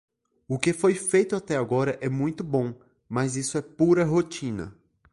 O que foi feito até agora é muito bom, mas isso é pura rotina.